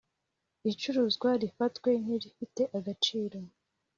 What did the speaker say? Icuruzwa rifatwe nk’irifite agaciro